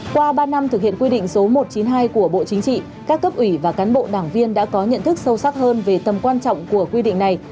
qua ba năm thực hiện quy định số một trăm chín mươi hai của bộ chính trị các cấp ủy và cán bộ đảng viên đã có nhận thức sâu sắc hơn về tầm quan trọng của quy định này